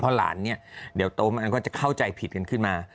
เพราะหลานเนี่ยเดี๋ยวโตมันก็จะเข้าใจผิดกันขึ้นมา